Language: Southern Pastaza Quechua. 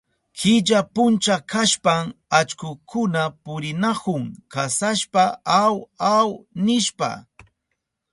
Killa puncha kashpan allkukuna purinahun kasashpa aw, aw, aw nishpa.